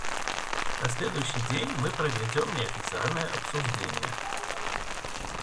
На следующий день мы проведем неофициальные обсуждения.